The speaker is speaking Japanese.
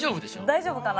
大丈夫かな？